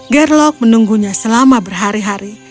gerlok menunggunya selama berhari hari